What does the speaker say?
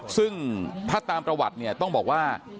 ซึ่งถ้าตามประวัติเนี่ยต้องบอกว่า